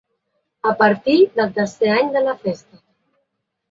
A partir del tercer any de la festa.